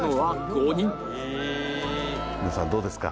皆さんどうですか？